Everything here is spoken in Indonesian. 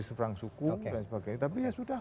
seberang suku dan sebagainya tapi ya sudah